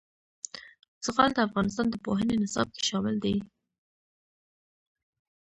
زغال د افغانستان د پوهنې نصاب کې شامل دي.